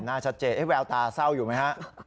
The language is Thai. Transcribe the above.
เวลาตาเศร้าอยู่มั้ยฮะ